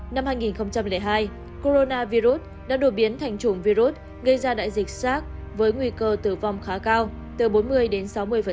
năm hai nghìn hai coronavir đã đột biến thành chủng virus gây ra đại dịch sars với nguy cơ tử vong khá cao từ bốn mươi đến sáu mươi